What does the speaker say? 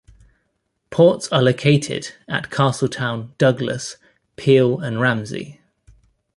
Ports are located at Castletown, Douglas, Peel and Ramsey.